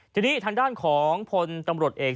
ทีนี้ทางด้านของพลตำรวจเอก